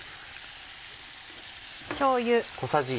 しょうゆ。